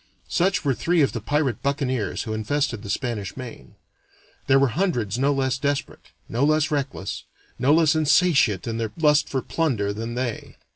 Such were three of the pirate buccaneers who infested the Spanish Main. There were hundreds no less desperate, no less reckless, no less insatiate in their lust for plunder, than they.